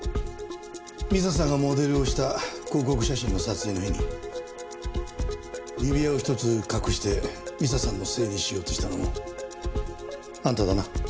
美佐さんがモデルをした広告写真の撮影の日に指輪を１つ隠して美佐さんのせいにしようとしたのもあんただな？